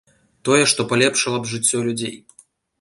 Тое, што палепшыла б жыццё людзей.